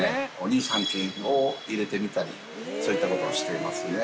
乳酸菌を入れてみたりそういったことをしてますね。